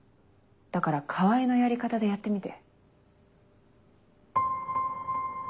だから川合のやり方でやってみて。